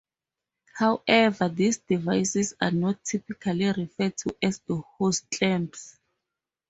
However, these devices are not typically referred to as hose clamps.